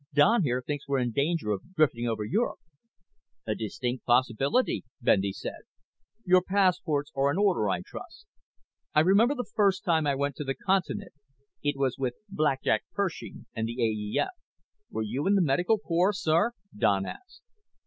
"Don here thinks we're in danger of drifting over Europe." "A distinct possibility," Bendy said. "Your passports are in order, I trust? I remember the first time I went to the Continent. It was with Black Jack Pershing and the AEF." "Were you in the Medical Corps, sir?" Don asked.